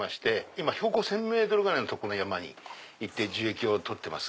今標高１０００ｍぐらいの山に行って樹液を採ってます。